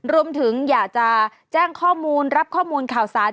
รวมถึงอยากจะแจ้งข้อมูลรับข้อมูลข่าวสาร